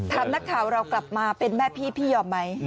นักข่าวเรากลับมาเป็นแม่พี่พี่ยอมไหม